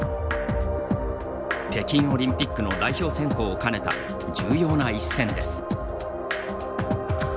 北京オリンピックの代表選考を兼ねた重要な一戦です。